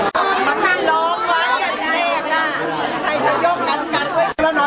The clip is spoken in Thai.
ความหยุดเหรือเราไม่ได้แค่ร่วมกลัว